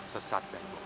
sesat dan bohong